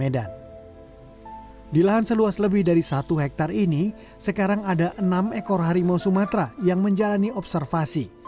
di lahan seluas lebih dari satu hektare ini sekarang ada enam ekor harimau sumatera yang menjalani observasi